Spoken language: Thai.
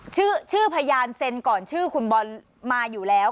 ชื่อชื่อพยานเซ็นก่อนชื่อคุณบอลมาอยู่แล้ว